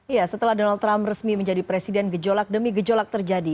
ya setelah donald trump resmi menjadi presiden gejolak demi gejolak terjadi